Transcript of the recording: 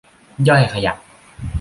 ย่อยขยะ